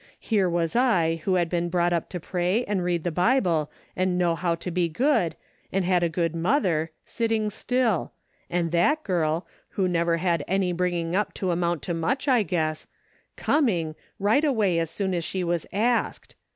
Here was I who had been brought up to pray and read the Bible and know how to be good, and had a good mother, sitting still; and that girl. DAILY RATEA^ 311 who never had any bringing up to amount to much I guess, coming^ right away as soon as she was asked.